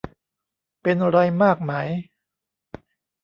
เป็นไรมากไหม